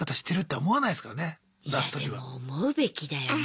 思うべきだよね。